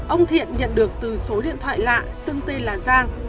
ông thiện nhận được từ số điện thoại lạ xưng tên là giang